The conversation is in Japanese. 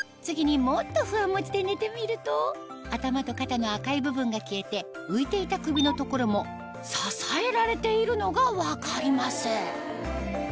次にＭｏｔｔｏＦｕｗａＭｏｃｈｉで寝てみると頭と肩の赤い部分が消えて浮いていた首の所も支えられているのが分かります